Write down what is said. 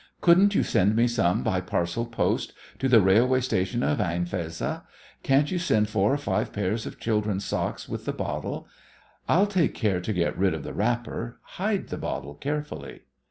Couldn't you send me some by parcel post to the railway station of Ain Fezza? Can't you send four or five pairs of children's socks with the bottle? I'll take care to get rid of the wrapper. Hide the bottle carefully.